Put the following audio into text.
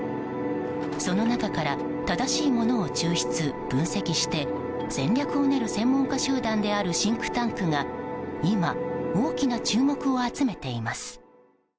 その中から正しいものを抽出・分析して戦略を練る専門家集団であるシンクタンクが今、大きな注目を集めています。